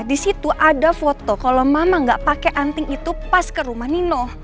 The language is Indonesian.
disitu ada foto kalo mama gak pake anting itu pas ke rumah nino